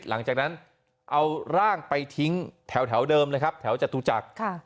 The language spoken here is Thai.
หลังจากนั้นเอาร่างไปทิ้งแถวเดิมนะครับแถวจตุจักร